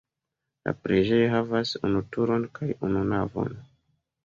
La preĝejo havas unu turon kaj unu navon.